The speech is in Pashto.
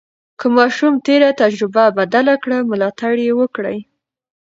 که ماشوم تېره تجربه بدله کړه، ملاتړ یې وکړئ.